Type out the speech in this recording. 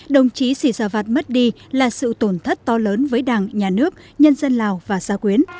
đồng chí sĩ gia vạt mất đi là sự tổn thất to lớn với đảng nhà nước nhân dân lào và gia quyến